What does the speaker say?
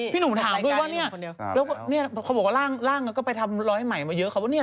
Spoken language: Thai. พี่หนูถามด้วยว่านี่